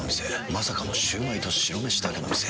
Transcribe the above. まさかのシュウマイと白めしだけの店。